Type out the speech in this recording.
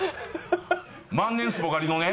万年スポ刈りのね。